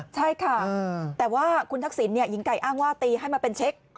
ใช่ค่ะแต่ว่าคุณทักษิณหญิงไก่อ้างว่าตีให้มาเป็นเช็ค